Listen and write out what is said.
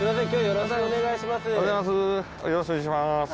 よろしくお願いします。